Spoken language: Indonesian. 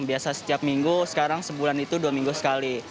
biasa setiap minggu sekarang sebulan itu dua minggu sekali